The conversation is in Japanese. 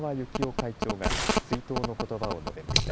会長が追悼のことばを述べました。